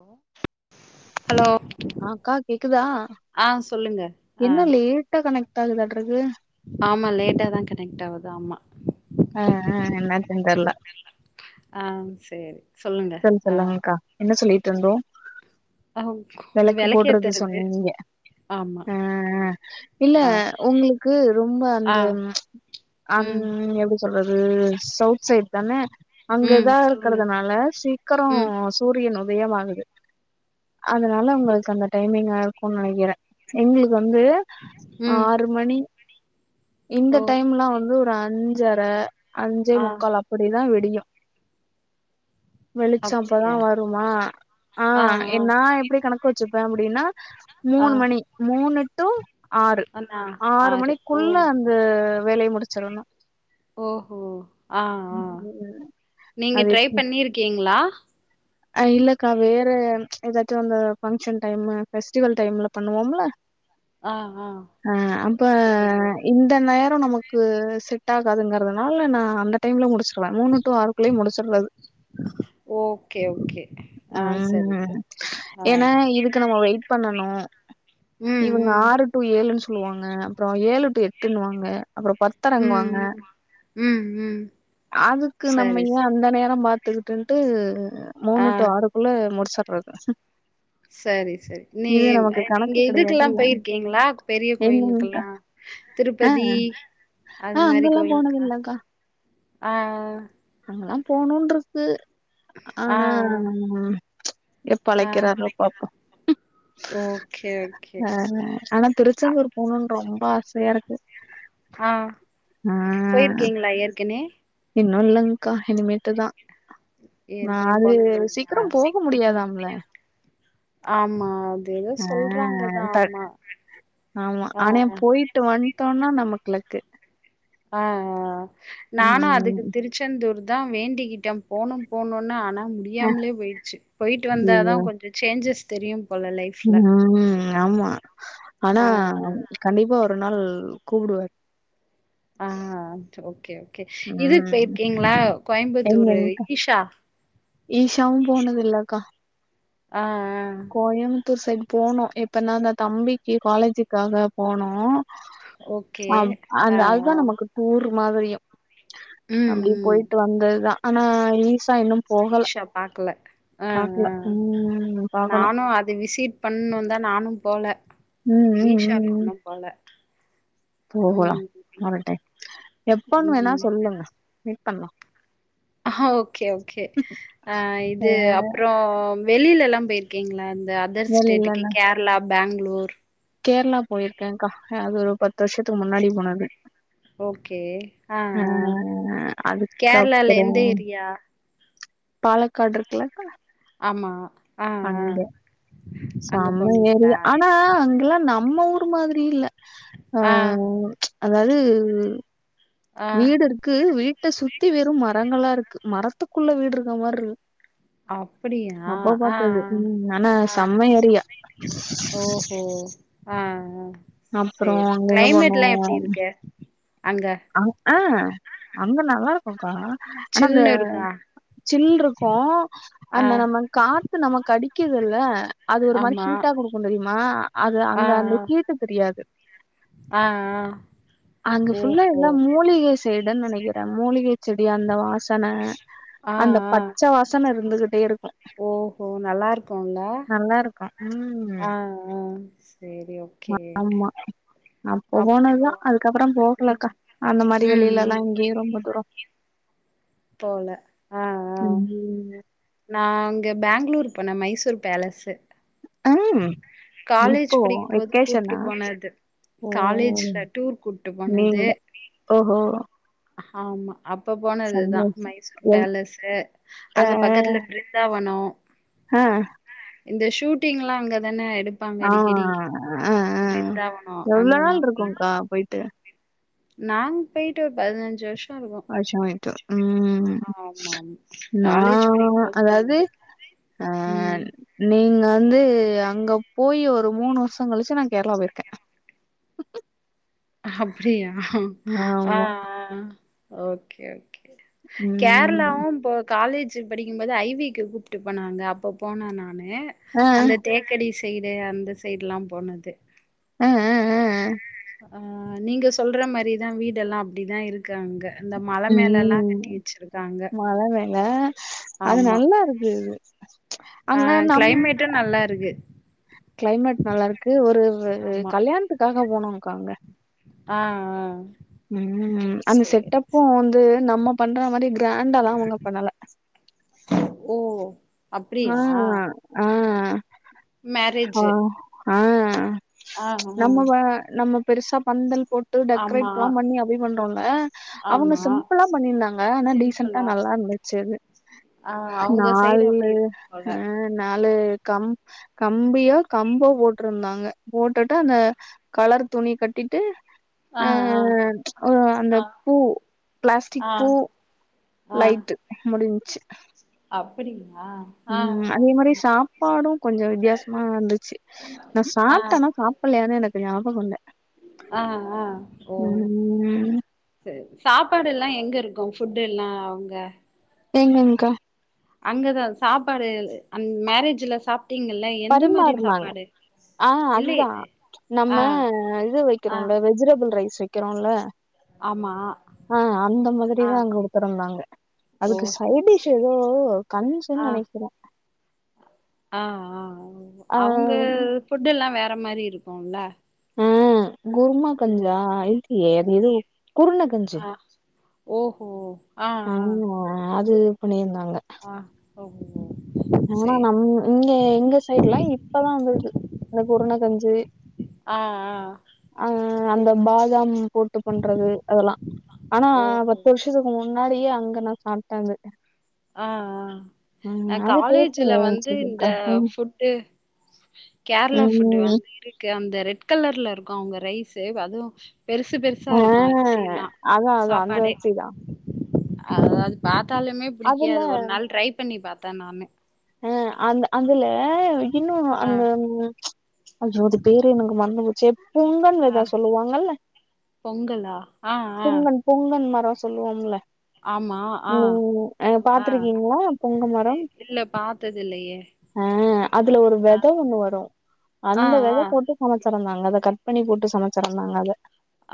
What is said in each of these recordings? ஹ ஹலோ [inaudible] ஆக்கா கேக்குதா ஆ சொல்லுங்க ஆ என்ன லே ட்டா கனெக்ட் ஆகுதாட்றுக்கு ஆமா லேட்டா தா கனெக்ட் ஆவுது ஆமா ஆ ஆ என்னாச்சுனு தெர்ல ஆ சேர் சொல் சொல்லுங்கக்கா என்ன சொல்லிட்டு இருந்தோ விளக்கு போடுறது வெளக்கேத்துறது சொன்னீங்க ஆமா ஆ ஆ இல்ல ஆ உங்களுக்கு ரொம்ப ஆ அந்த அந் ம் எப்டி சொல்றது சவுத் சைட் தானே அங்க ம் இதா சொல்லுங்க இருக்குறதுனால சீக்கரோ ம் சூரியன் உதயமாகுது அதனால உங்களுக்கு அந்த டைமிங்கா இருக்குனு நினைக்கிறே எங்களுக்கு வந்து ம் ஆறு மணி இங்க ஓ டைம்லா வந்து ஒரு அஞ்சரை அஞ்சே ஆ முக்கால் அப்படிதா விடியு வெளிச்சோ அப்பதா அப்டியா வருமா ஆ நா எப்டி கணக்கு வெச்சுப்பே அப்டின்னா ஆ மூணு மணி மூணுட்டு ஆறு அண்ணா ஆறு ஓ மணிக்குள்ள அந் து வேலைய முடிச்சிடணு ஓஹோ ஆ ஆ நீங்க அது ட்ரை பண்ணிருக்கீங்களா ஆ இல்லக்கா வேற எதாச்சு அந்த ஃபங்க்ஷன் டைம் ஃபெஸ்டிவல் டைம்ல பண்ணுவோம்ல ஆ அப்ப ஓ இந்த நேரோ நமக்கு செட் ஆகாதுங்கறதுனால நா அந்த டைம்ல முடிச்சுருவே மூணு டு ஆறு குள்ளயே முடிச்சிறது ஓகே ஓகே ஆ சரி சரி ஏனா ஆ இதுக்கு நம்ம வெயிட் பண்ணணு ம் இவுங்க ம் ஆறு டூ ஏழுன்னு சொல்லுவாங்க அப்றோ ஏழு டூ எட்டுன்னுவாங்க அப்பறோ பத் த்தறங்குவாங்க ம் ம் ம் அதுக்கு நம்ம சரி ஏ சரி அந்த நேரோ பாத் த்துகுன்ட்டு ஆ மூணு டூ ஆறுக்குள்ள முடிச்சடுறது சரி சரி நீ நீங்க இதுக்கெல்லா கிடையாதுல்ல. போயிருக்கீங்களா பெரிய எங்கங்க்கா? கோயிலுக்கெல்லா ஆ, திருப்பதி அது ஆ அங்கல்லா போனதில்லக்கா ஆ ஆ அங்கல்லாம் போணுன்ருக்கு ஆ‌ ஆ ம் எப்ப ஆ அழைக்கறாங்க பாப்போ ஓகே ஓகே ஆனா திருச்செந்தூர் போணுன்னு ரொம்ப ஆசயா இருக்கு ஆ போயிருக்கீங்களா ஏற்கனே இன்னு இல்லங்கா இனிமேட்டுதா ஆ ஏற்கனவே அது போனது இல்லையா சீக்கரோ போக ம் முடியாதாம்ல ஆமா அது ஏதோ ஆ சொல்றாங்க தா த ஆமா ஆ ட்டு வந்டோனா நமக்கு லக்கு ஆ ஆ நானு ம். அதுக்கு திருச் செந்தூர் தான் வேண்டிக்கிட்ட போனும் போனுன்னு ஆனா முடி யாமலே போயிடுச்சு போயிட்டு வந்தாதா ஐயய்யோ! கொஞ்சோ சேஞ்ஜஸ் தெரியு போல லைஃப்ல ம் ஆமா ஆனா ஆ கண்டிப்பா ஒரு நாள் கூப்டுவார் ஆ ஓகே ஓகே இதுக்கு ம். போயிருக்கீங்களா எங்க கோயம்புத்தூரு எங்க ஈஷா ஈஷாவும் போனதில்லக்கா ஆ ஆ கோயம்புத்தூர் சைட் போனு இப்ப நா அந்த தம்பிக்கு காலேஜுக்காக போனோ ஓகே ஆம் ஆ அந்த ஆ அதுதா நமக்கு ஊர் மாதிரியு ம் அப்டி ம் போயிட்டு வந்ததுதா ஆனா இ சா இன்னு போகல ஈஷா பாக்கல ஆ பாக்கல ஆ ம் பாக்கணும் நானு அது விசிட் பண்ணுன் தா நானு போல ம், ம், ஈஷா கொண்ணும் போல ம் போகலாமக்ஷ ஒரு டைம் எப்பன்னு வேணா ம் சொல்லுங்க மீட் பண்ணலா ஹ ஓகே ஓகே அ இது அ. அப்புறோ வெளியிலல்லாம் போயிருக்கீங்களா இந்த அதர் வேல ஸ்டேட்டுக்கு இல்லன்னா கேரளா பேங்ளூர் கேரளா போயிருக்கேன்கா அது ஒரு பத்து வருஷத்துக்கு முன்னாடி போனது ஓகே. ஆ, அ ஆ. கேரளால அதுக்கப்பறோ எந்த ஏரியா? பாலக்காடு இருக்குலக்க ஆமா ஆ, ஆ. அங்க அங்க செம்ம போனீங்களா? ஏறியா ஆனா அங்கல்லா நம்ம ஊர் மாதிரி இல்ல ஆ அதாவ்து ஆ. வீடு இருக்கு வீட்ட சுத்தி வெறும் மரங்களா இருக்கு மரத்துக்குள்ள வீடு இருக்க மார்ருக்கு அப்படியா ஆ ஆ ம் ஆனா ஆ ஆ செம்ம ஏரியா சன்ரை [unintelligible] ஓஹோ ஆ ஆ அப்புறோ சரி. அங்க எங்க போனோ கிளைமேட்லாம் எப்படி இருக்கு? அங்க ஆ அங்இ நல்லா இருக்குக்கா ஆனா அந்த சில்லுன்னு இருக்கா? ஜில் இருக்கும் ஆ. அந்த நம்ம காத்து நமக்கு அடிக்குதுல்ல அது ஒரு மாரி ஆமா. ஹீட்டா குடுக்கும் தெரியுமா அது ஆ, அங்க அந்த ஆ. ஹீட்டு தெரியாது ஆ, ஆ. அங்க ஃபுல்லா ஓஹோ எல்லா மூலிகை சைடுன் நினைக்கிறே மூலிகை செடி அந்த வாசம் தான ஆ அந்த ஆ பச்ச வாசன இருந்துகிட்டே இருக்கு ஓஹோ நல்லா இருக்கும்ல நல்லா இருக்கு ம் ஆ ஆ சேரி ஓகே அப்போ போனதுதா அதுக்கப்புறோ போகலக்கா அந்த மாரி ம் வெளியிலலா ம் எங்கேயு ரொம்ப தூரம் போல ஆ ஆ ம் நா அங்க பெங்ளூர் போன மைசூர் பேலஸ்ஸு உம் காலேஜ் படிக்கும்போது கூப்ட்டு போனது ஓ காலேஜ்ல டூர் கூப்ட்டு போனது நீங்க ஓஹோ ஆமா அப்ப போனதுதா சந்தோஷோ மைசூர் என் பேலஸ்ஸு ஆ அங்க பிருந்தாவனம் ஆ இந்த ஷூட்டிங் எல்லா அங்கதான எடுத் ஆ அ அ பிருந்தாவனோ எவ்ளோ நாள் இருக்குங்கா போயிட்டு நாங்க போயிட்டு ஒரு பதினஞ்சு வருஷோ இருக்கு வருஷம் ஆயிட்டு. ம். ஆமா ஆமா காலேஜ் நான் படிக்கும்போது அதாவது போனது அ ம் நீங்க வந்து அங்க போயி ஒரு மூணு வருசம் கழிச்சு நா கேரளா போயிருக்கே [inaudible] அப்டியா ஆ ஆ ஆமா. ஓகே ஓகே கேர் ம். ளாவு இப்போ காலேஜ் படிக்கும்போது ஐவிக்கு கூப்ட்டு போனாங்க அப்போ போன நானு அ, அந்த தேக்கடி சைடு அந்த சைடுலா போனது அ அ அ அ அ அ அ ஆ நீங்க சொல்ற மாரிதா வீடெல்ல அப்டிதா இருக்கு அங்க இந்த மல மேலல்லா உம் கட்டி வச்சிருக்காங்க மல மேல அது ஆமா நல்லா இருக்கு இது ஆனா நம் ட்டு நல்லா இருக்கு கிளைமேட் நல்லா இருக்கு ஒரு ஆமா கல்யாணத்துக்காக போனோம்க்கா அங்க ஆ ஆ உம் ம் அந்த சேரி செட்டப்பு சேரி வந்து நம்ம பண்ற மாரி கிரண்டால ஒன்னு பண்ணல ஓ ஆ, அப்டியா ஆ. ஆ மேரேஜு ஆ ஆ ஆ நம்ம வ நம்ம பெருசா பந்தல் போட் டு ஆமா டெக்ரேட்லா பண்ணி அப்டி பண்ரோல அவுங்க ஆமா சிம்ப்ளா பண்ணிருந்தாங்க ஆனா டீசண்டா சிம்பிளா நல்லா இருந்துது சேரி ஆ அவங்க சைடு நாலு அப்டி இருக்கும் போல அ நாலு கம் கம்பியோ கம்போ போட்ருந்தாங்க போட்டுட்டு அந்த கலர் துணி கட்டிட்டு ஆ அ ஆ ஓ அந்த ஆ ஆ பூ பிளாஸ்டிக் ஆ பூ ஆ லைட்டு முடின்ச்சு அப்டிங்களா ஆ உம் அதே மாரி சாப்பாடும் கொஞ்சோ வித்தியாசமா இருந்துச்சு நா ஆ ஆ சாப்ட்டனா சாப்பலயானே எனக்கு ஞ்யாபகோ இல்ல ஆஹ் ஆஹ் ஓ ம் சேரி சாப்பாடுல்லா எங்க இருக்கு ஃபுட்டு எல்லா அங்க எங்கங்க்கா அங்கதா சாப்பாடு அந் மேரேஜுல சாப்ட்டீங்கல்ல எந்த மாரி சாப்பாடு ஆஹ் இல்ல அதுதா‌ நம்ம ஆ இது ஆ வெக்கிறோல வெஜிரபுள் ரைஸ் வெக்கிறோல்ல ஆமா ஆஹ் அந்த மாதிரிதா அங் குடுதுருந்தாங்க ஓ அதுக்கு சைடிஷ் எதோ கன்ஞ்சு நெனக்கிற ஆஹ் ஆ ஆ அவுங்க ஃபுட்டுல்லா வேற மாரி இருக்கும்ல அஹ் குருமா கஞ்சா [inaudible] அது எதோ குருண கஞ்சு ஆ ஓஹோ ஆ அது பண்ணிருந்தாங்க அ நால நம் இங்க எங்க சைடுலா இப்பதா வருது அந்த குருண கஞ்சு ஆ ஆ ஆ அந்த பாதாம் போட்டு பண்றது அதல்லா ஆனா ஓஹோ பத்து வர்ஷ் துக்கு முன்னாடியே அங்க நா சாப்ட்டாந்துர்க்க ஆ ஆ நா அது டேஸ்ட்டு காலேஜுல வந்து இந்த நல்லாருந்துச்சுக்கா. ம். ஃபுட் து கேரளா ஃபுட்டு ம். வந்து இ [unintelligible] அந்த ரெட் கலர்ல இருக்கு அவுங்க ரைசு அதுவு பெருசு பெரு சா ஆ இருக்கு அரிசிலா அதான், அதான் அந்த சாப்பாடே அரிசி தான். அ அது பாத்தாலயுமே கே அதுல அது ஒரு நாள் ட்ரை பண்ணி பாத்த நானு அஹ் அந்த அதுல இன்னு ஆ அந்த ஐயோ அது பேரே எனக்கு மறந்துப்போச்சே புங்கன் ஆ எதோ சொல்லுவாங்கல்ல பொங்கலா ஆ ஆ புங்கன் பொங்கன் மரோ சொல்லுவோம்ல ஆமா ஆ ம் அ ஆ பாத்திருக்கீங்களா பொங்க மரம் இல்ல பாத் த்ததில்லயே அஹ் அதுல ஒரு வெத ஒண்ணு வரு ஆ அந்த வெத ஆ போட்டு சமச்சிறந்தாங்க அத கட் பண்ணி போட்டு சமச்சிறந்தாங்க அத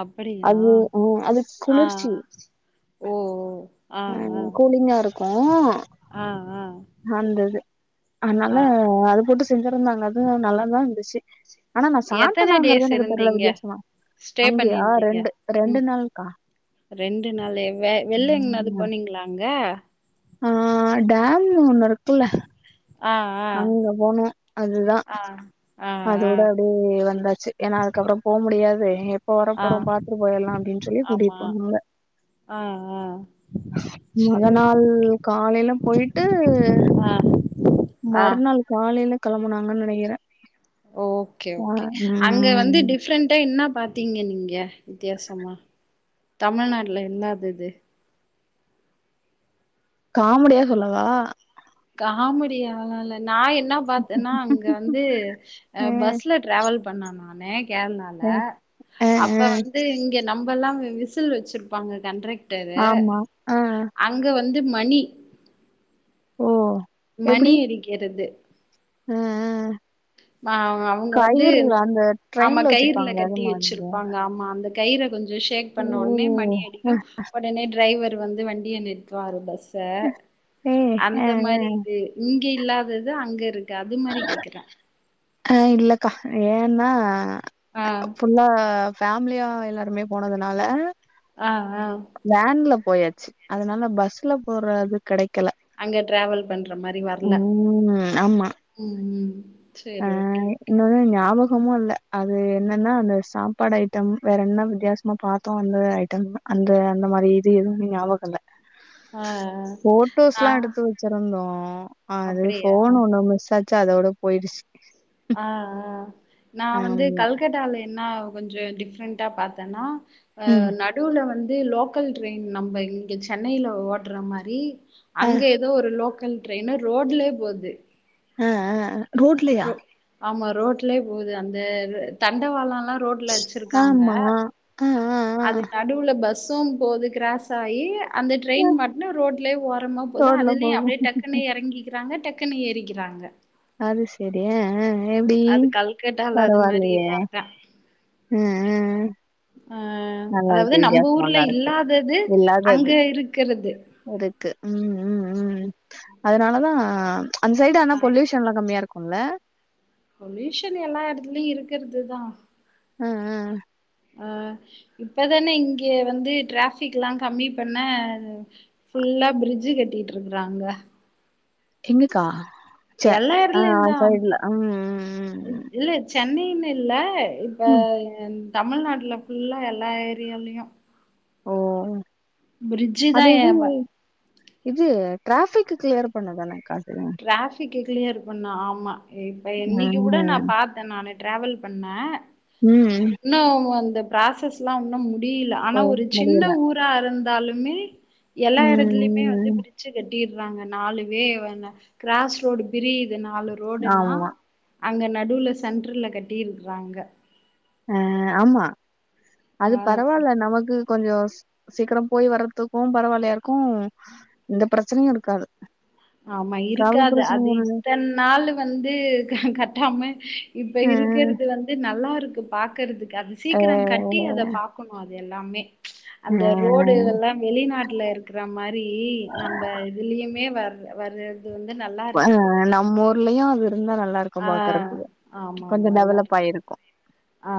அப்படியா அது ம் அது ஆ ஆ குளிர்ச்சி ஓ ஓ ஆ அ ஆ கூலிங்கா இருக்கு ஆ ஆ அந்த இது ஆ அனால அது போட்டு செஞ்சிருந்தாங்க அதுவு நல்லாதா இருந்துச்சு ஆனா நா எத்தன சாட்டனாங்கறது டேஸ் எனக்கு தெர்ல இருந்தீங்க விதியாசமா ஸ்டே அங்கயா பண்ணிருந்தீங்க ரெண்டு ரெண்டு ம் நாளு கா ரெண்டு நாள்லே வே வெள்ளெங்கனாது போனீங்களா அங்க ஆஹ் டேம் ஒண்ணு இருக்குல்ல ஆ ஆ அங்க போன அதுதா ஆ ஆ ஆ அதோட அப்டியே வந்தாச்சு ஏன்னா அதுக்கப்றம் போமுடியாது எப்போ வர ஆ போறோ பாத்துட்டு போயர்லா அப்டின் சொல்லி கூட்டிட் ஆமா போனாங்க ஆ ஆ மொத சேரி நாள் காலைல போய்ட்டு ஆ ஆ மறுநாள் காலைல களம்புனாங்கன்னு நெனைகிற ஓகே ஓகே அங்க வந்து டிஃப்ரெண்டா என்ன பாத் திங்க நீங்க வித்தியாசமா தமிழ்நாடுல இல்லாதது காமடியா சொல்லவா காமிடியாலால்ல நா என்னா பாத்தேன்னா அங்க வந்து அ ம் பஸ்ல ட்ராவல் பண்ண நானு கேரளால ம் ல்ல ஆ அப்ப ஆ வந்து இங்க நம்பல்லா விசில் வச்சிருப்பாங்க கண்ட்ரக்டரு ஆமா ஆ ஆ அங்க வந்து மணி ஓ மணி எப்படி? அடிக்கறது அ அ நா அவுங்க வந்து கயிறுல அந்த ஆமா ட்ரெயின்ல கயிர்ல வச்சிருப்பாங்களே அது கட்டி மாதிரி. வச்சிருப்பாங்க ஆமா அந்த கயிற கொஞ்சோ ஷேக் ஓ! பண்ண ஓட்னே மணி அடிக்கு ஒடனே டிரைவர் வந்து வண்டிய நிறத்துவாரு பஸ் த ஏ அ, அந்த மாரி இது இங்க இல்லாதது அங்கருக்கு அது மாரி கேக்குற அ இல்லக்கா ஏன்னா ஆ ஃபுல்லா ஃபேம்லியா எல்லாருமே போனதுனால ஆ ஆ வேன்ல போயாச்சு அதனால பஸ்ல போறது கெடைக்கல அங்க ட்ராவல் பண்ற மாரி வர்ல ம். ஆமா. ம் ம்ம் அ சரி ஓகே இன்னொன்னு ஞாபகமு இல்ல அது என்னன்னா அந்த சாப்பாடு ஐட்டம் வேற என்ன வித்தியாசமா பாத் மொத்தொ வந்த ஐட்டம் அந்த அந்த மாரி இது எதுவுமே ஞாபகல்ல ஆ நா ஃபோட்டோஸ்ல்லா எடுத்து வச்சிருந்தோ அது அப்டியா ஃபோன் ஒண்ணு மிஸ் ஆச் சு அதோட போயிடுச்சு ஆ ஆ நா வந்து ஆமா கல்கட்டால என்ன கொஞ்சோ டிஃப்ரெண்டா பாத்தன்னா அ ம். நட் டூல வந்து லோக்கல் ட்ரெயின் நம்ப இங்க சென்னையில ஓட்ற மாரி அ அங்க எதோ ஒரு லோக்கல் ட்ரெயினு ரோட்லயே போது அ அ அ ரோட்லையா ரோ ஆமா ரோட்லயே போகுது அந்த தண்டவாளலலா ரோட்ல வச்சிருக்காங்க ஆமா அ அ அ அது நடுவு நடுவுல பஸ்சும் போது கிராஸ் ஆயி அந்த அ ட்ரெயின் மாட்னு ரோட்லயே ஓரமா போது ரோட்ல அதுலயு போகும். அப்டியே டக்குன்னு எறங்கிக்கிறாங்க டக் க்குன்னு ஏறிக்கிறாங்க அது சேரி ஆ ஆ ஆ எப்டி அது கல்கட்டால அது மாரி பரவால்லயே பாத்தே ம் ம் ம் அ அதாவ்து நம்ப ஊர்ல இருக்கு. இல்லாதது அங்க இல்லாதது இருக்கறது இருக்கு ம் ம் ம் அதனாலதா அந்த சைடு ஆனா ஆ பொல்யூஷன் ல்லா கம்மியா இருக்குல்ல பொல்யூஷன் எல்லா எடத்துலயு இருக்கறதுதா அ அ அ ஆ இப்பதான இங்கே வந்து டிராஃபிக்ல்லா கம்மி பண்ண ஃபுல்லா பிரிட்ஜு கட்டிட்டுருக்குறாங்க எங்கக்கா ச எல்லா ஆ எடத்துலயுந்தா சைட்ல ம் ம் ம் இல்ல சென்னைன்னு இல்ல இப்ப ம் தமிழ்நாட்ல ஃபுல்லா எல்லா எரியாலயு ஓ பிரிட்ஜு தா அது ஏ இது வ இது ட்ராபிக் க்கிளியர் பண்ணுதானே காடுல ட்ராபிக் கிளியர் பண்ண ஆமா இப்ப இன்னைக்கு கூட ந ம் பாத் நானு ட்டிரேவல் பண்ணே ம் இன்னு அந்த ஃபராசஸ்ல்லா ஒன்னு முடியில ஆனா போய் ஒரு சின்ன முடியல ஊர் ரா இருந்தாலுமே எல்லா எடத்துலயுமே வந்து ம் பிரிஜ் ச்ச கட்டீறாங்க நாலுவே வண்ண கிராஸ் ரோடு பிரிது நாலு ரோடுனா ஆமா அங்க நடுல சென்டர்ல கட்டியிருக்றாங்க அ ஆமா அது ஆ பரவால நமக்கு கொஞ்சோ சீக்ரம் போய் வர்றதுக்கு பரவாலையா இருக்கு எந்த பிரச்சனையு இருக்காது ஆமா டிராவல் இருக்காது அது பிரச்சனையு இரு இத்தன் நாளு வந்து கட்டாம இப்ப இருக்கிறது வந் இது நல்லா இருக்கு பாக்கறதுக்கு அது அ சீக்கிரங் கட்டி அ அத பாக்கணு அது எல்லாமே அந்த ரோடு எல்லா வெளிநாட்டுல இருக்ற மாரி நம்ம இதுலயுமே வர்ற வர்ரு ந்து நல்லா ஆ நம்மூர்லயு அது இருந்தா நல்லா இருக் கும் ஆ பாக்கறர்க்கு ஆமா ஆமா கொஞ்சோ நல்லா டெவலப் இருக்கு ஆய்ருக்கு ஆ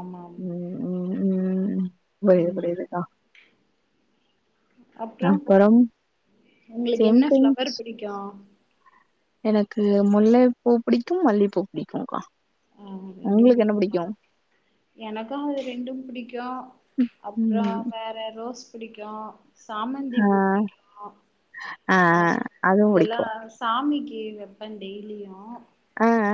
ஆமா ஆமா ம் ம் ம் புரிது ம் புரிதுதா அப்ரோ உங்களுக்கு சேம் என்ன டு ஃப்ளவர் பிடிக்கு எனக்கு முல்லை பூ புடிக்கு மல்லிப்பூ பிடிக்கு கா ரெண்டும் உங்களுக்கு என்ன பிடிக்குமா புடிக்கு எனக்கு அது ரெண்டு புடிக்கு அப்ரோ ம். வேற ரோஸ் புடிக்கு சாமந்தி ஆ, பூ புடிக்கு ஆ அ அதுவும் பிடிக்கும். இதெல்லாஸ் சாமிக்கு வெப்ப டெய்லியு அ அ